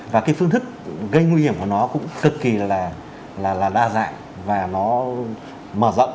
và cái phương thức gây nguy hiểm của nó cũng cực kỳ là đa dạng và nó mở rộng